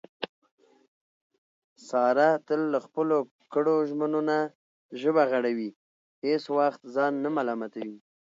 ساره تل له خپلو کړو ژمنو نه ژبه غړوي، هېڅ وخت ځان نه ملامتوي.